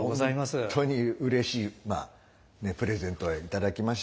もう本当にうれしいプレゼントを頂きました。